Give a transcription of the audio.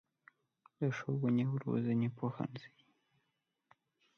د ښوونې او روزنې پوهنځی